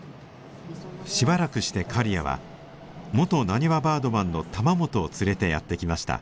しばらくして刈谷は元なにわバードマンの玉本を連れてやって来ました。